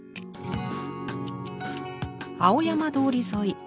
青山通り沿い。